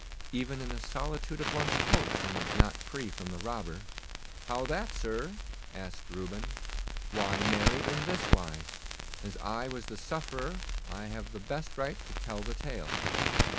Even in the solitude of one's coach one was not free from the robber.' 'How that, sir?' asked Reuben. 'Why marry, in this wise. As I was the sufferer I have the best right to tell the tale.